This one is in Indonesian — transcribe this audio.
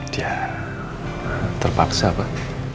dia terpaksa pak